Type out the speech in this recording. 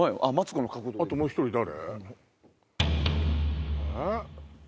あともう１人誰？